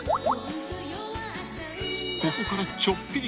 ［ここからちょっぴり］